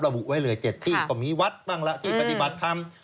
ระบุไว้เลย๗ที่ก็มีวัดบ้างละที่ปฏิบัติธรรม